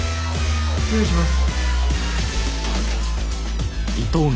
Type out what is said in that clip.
失礼します。